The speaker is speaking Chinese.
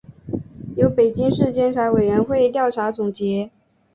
由北京市监察委员会调查终结